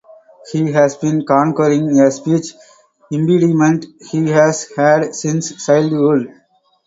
He has been conquering a speech impediment he has had since childhood.